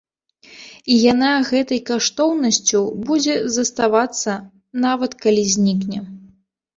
І яна гэтай каштоўнасцю будзе заставацца, нават калі знікне.